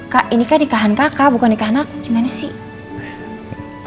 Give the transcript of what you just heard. kak ini kan nikahan kakak bukan nikahan aku gimana sih